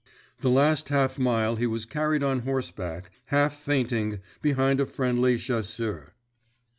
The last half mile he was carried on horseback, half fainting, behind a friendly chasseur.